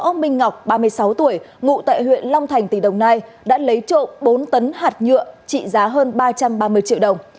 ông minh ngọc ba mươi sáu tuổi ngụ tại huyện long thành tỉnh đồng nai đã lấy trộm bốn tấn hạt nhựa trị giá hơn ba trăm ba mươi triệu đồng